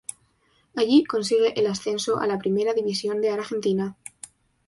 Allí consigue el ascenso a la Primera División de Argentina.